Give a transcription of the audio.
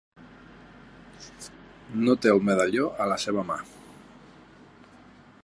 No té el medalló a la seva mà.